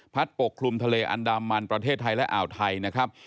ปกคลุมทะเลอันดามันประเทศไทยและอ่าวไทยนะครับ